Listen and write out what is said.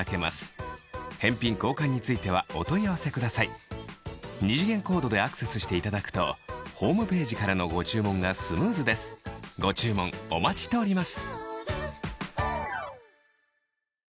充電式で持ち運びに簡単な二次元コードでアクセスしていただくとホームページからのご注文がスムーズですご注文お待ちしております